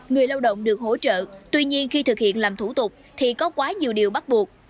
người lao động được hỗ trợ tuy nhiên khi thực hiện làm thủ tục thì có quá nhiều điều bắt buộc